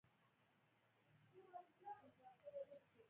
افغانستان د رسوب له مخې پېژندل کېږي.